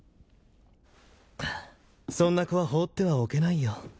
そんな子は放ってはおけないよ